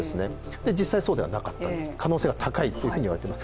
実際、そうではなかった可能性が高いといわれている。